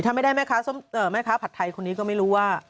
ถ้าไม่ได้แม่ค้าผัดไทยคนนี้ก็ไม่รู้ว่า